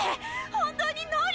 本当に能力が！